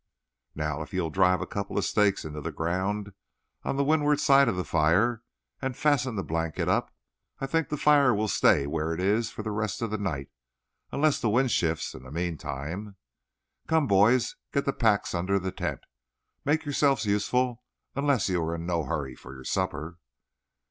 "Now if you will drive a couple of stakes into the ground on the windward side of the fire, and fasten the blanket up, I think the fire will stay where it is for the rest of the night, unless the wind shifts in the meantime. Come, boys, get the packs under the tent. Make yourselves useful unless you are in no hurry for your supper."